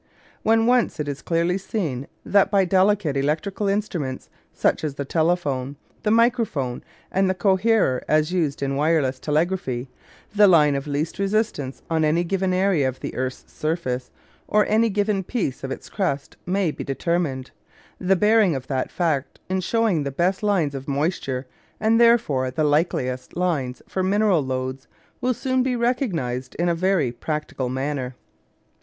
When once it is clearly seen that by delicate electrical instruments, such as the telephone, the microphone and the coherer as used in wireless telegraphy, the line of least resistance on any given area of the earth's surface or any given piece of its crust may be determined, the bearing of that fact in showing the best lines of moisture and therefore the likeliest lines for mineral lodes will soon be recognised in a very practical manner.